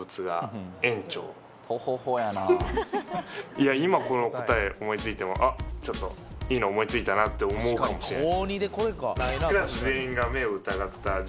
いや今この答え、思いついてもあっ、ちょっといいの思いついたなと思うかもしれない。